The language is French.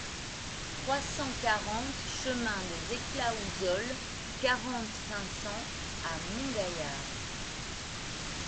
trois cent quarante chemin des Esclaousoles, quarante, cinq cents à Montgaillard